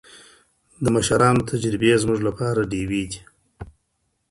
د مشرانو تجربې زموږ لپاره ډېوې دي.